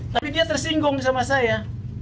tapi dia tersinggung sama saya